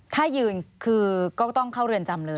ถ้ายืนคือก็ต้องเข้าเรือนจำเลย